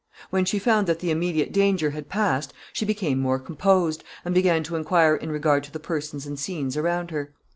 When she found that the immediate danger had passed she became more composed, and began to inquire in regard to the persons and scenes around her.